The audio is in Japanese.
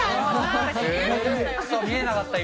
見えなかった、今。